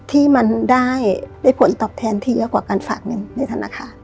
ที่มันได้ผลตอบแทนที่เยอะกว่าการฝากเงินในธนาคาร